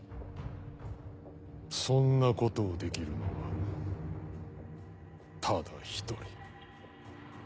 そんなことをできるのはただ１人。